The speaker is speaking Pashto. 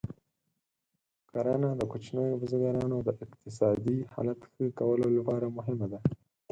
کرنه د کوچنیو بزګرانو د اقتصادي حالت ښه کولو لپاره مهمه ده.